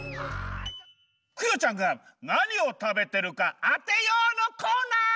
クヨちゃんがなにを食べてるかあてようのコーナー！